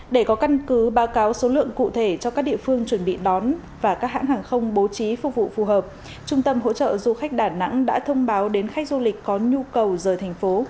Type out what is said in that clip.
để có căn cứ báo cáo số lượng cụ thể cho các địa phương chuẩn bị đón và các hãng hàng không bố trí phục vụ phù hợp trung tâm hỗ trợ du khách đà nẵng đã thông báo đến khách du lịch có nhu cầu rời thành phố